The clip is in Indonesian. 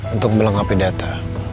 untuk melangkapi data